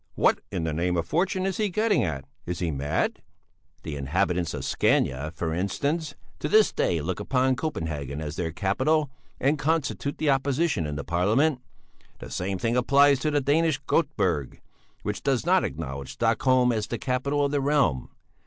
"What in the name of fortune is he getting at? Is he mad?" "The inhabitants of Scania, for instance, to this day look upon Copenhagen as their capital, and constitute the opposition in Parliament. The same thing applies to the Danish Göteborg, which does not acknowledge Stockholm as the capital of the realm.